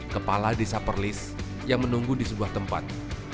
kepala desa perlis yang menunggu di sebuah tempat